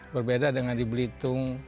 berbeda dengan di belitung